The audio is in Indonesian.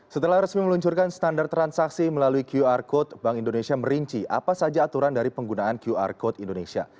setelah resmi meluncurkan standar transaksi melalui qr code bank indonesia merinci apa saja aturan dari penggunaan qr code indonesia